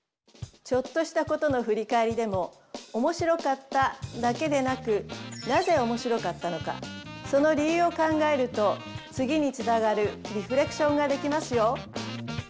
ちょっとしたことの振り返りでも面白かっただけでなくなぜ面白かったのかその理由を考えると次につながるリフレクションができますよ。